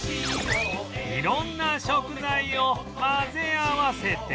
色んな食材を混ぜ合わせて